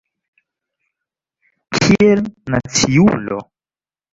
Kiel naciulo.